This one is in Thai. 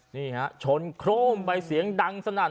นี่ฮะชนโครมไปเสียงดังสนั่น